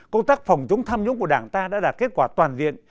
công tác phòng chống tham nhũng của đảng ta đã đạt kết quả toàn diện